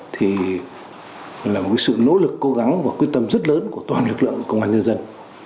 thì là một sự nỗ lực cố gắng và quyết tâm rất lớn của toàn lực lượng công an nhân dân